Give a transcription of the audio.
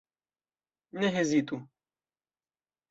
Ne hezitu.